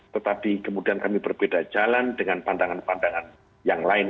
tetapi kemudian kami berbeda jalan dengan pandangan pandangan yang lain